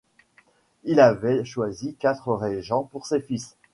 Il avait choisi quatre régents pour ses fils.